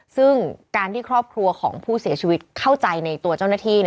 ซึ่งการที่ครอบครัวของผู้เสียชีวิตเข้าใจในตัวเจ้าหน้าที่